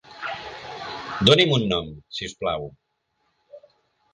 Doni'm un nom, si us plau.